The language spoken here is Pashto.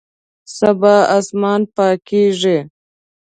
سبا اسمان پاکیږي